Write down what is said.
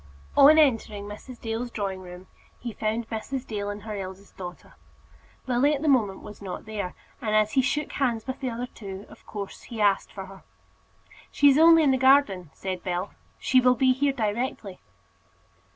On entering Mrs. Dale's drawing room he found Mrs. Dale and her eldest daughter. Lily at the moment was not there, and as he shook hands with the other two, of course, he asked for her. "She is only in the garden," said Bell. "She will be here directly."